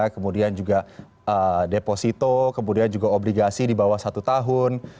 kemudian juga deposito kemudian juga obligasi di bawah satu tahun